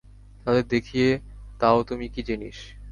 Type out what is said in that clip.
তাদের দেখিয়ে তাও তুমি কি জিনিস।